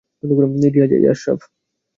রিয়াজ, এই আশরাফ।